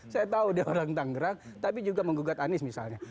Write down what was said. saya tahu dia orang tanggerang tapi juga menggugat anies misalnya